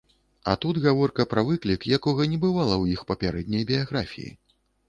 А тут гаворка пра выклік, якога не бывала ў іх папярэдняй біяграфіі.